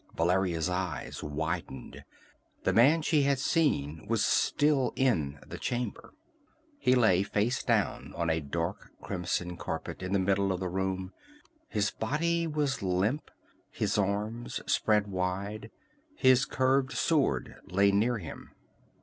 Valeria's eyes widened. The man she had seen was still in the chamber. He lay face down on a dark crimson carpet in the middle of the room. His body was limp, his arms spread wide. His curved sword lay near him.